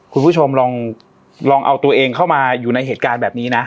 คุณผู้ชมลองเอาตัวเองเข้ามาอยู่ในเหตุการณ์แบบนี้นะ